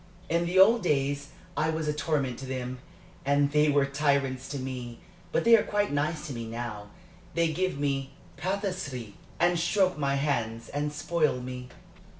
In the old days I was a torment to them, and they were tyrants to me. But they are quite nice to me now they give me patisserie, and stroke my hands and spoil me."